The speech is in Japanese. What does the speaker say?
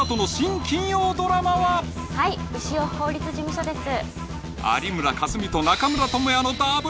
はい潮法律事務所です